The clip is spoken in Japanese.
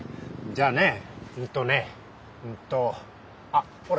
じゃあねうんとねうんとあっほら